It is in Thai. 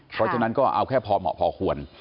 เพราะฉะนั้นก็เอาแค่พอเหมาะพอควร